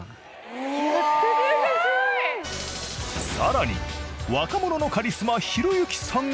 さらに若者のカリスマひろゆきさんが。